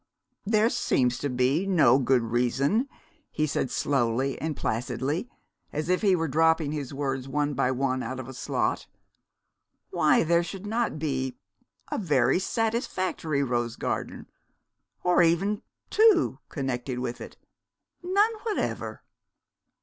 "There seems to be no good reason," he said, slowly and placidly, as if he were dropping his words one by one out of a slot; "why there should not be a very satisfactory rose garden, or even two connected with it. None whatever."